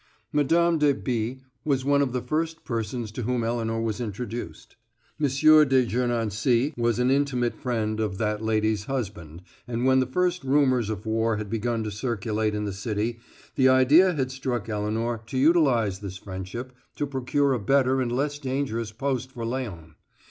Mme. de B. was one of the first persons to whom Elinor was introduced. M. de Gernancé was an intimate friend of that lady's husband and when the first rumors of war had begun to circulate in the city the idea had struck Elinor to utilize this friendship to procure a better and less dangerous post for Léon.